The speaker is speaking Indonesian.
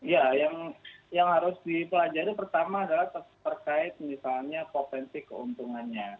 ya yang harus dipelajari pertama adalah terkait misalnya potensi keuntungannya